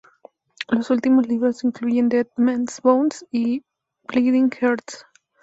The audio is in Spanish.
Los últimos libros incluyen: "Dead Man's Bones" y "Bleeding Hearts".